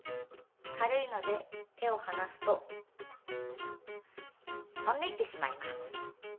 軽いので手をはなすと飛んでいってしまいます。